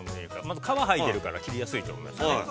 まず皮を剥いでいるから切りやすいと思いますね。